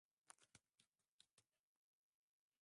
ebi shaban abdala na makala ya mazingira yako leo duniani